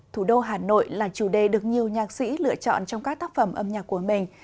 thủ đô hà nội là chủ đề được nhiều nhạc sĩ lựa chọn trong các tác phẩm âm nhạc của mình